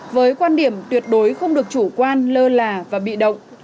với quan điểm tuyệt đối không được chủ quan lơ là và bị động